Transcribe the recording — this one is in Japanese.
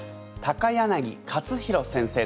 柳克弘先生です。